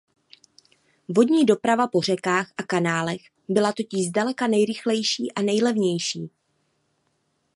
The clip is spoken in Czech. Vodní doprava po řekách a kanálech byla totiž zdaleka nejrychlejší a nejlevnější.